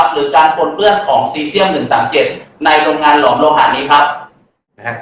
หรือการปนเปื้อนของซีเซียม๑๓๗ในโรงงานหลอมโลหะนี้ครับ